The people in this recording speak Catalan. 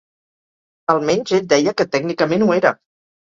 Almenys ell deia que, tècnicament, ho era.